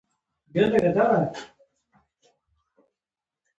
ته تل مثبت فکر کوې.